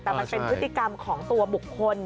แต่มันเป็นพฤติกรรมของตัวบุคคล